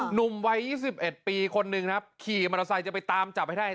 หนุ่มวัย๒๑ปีคนหนึ่งครับขี่มอเตอร์ไซค์จะไปตามจับให้ได้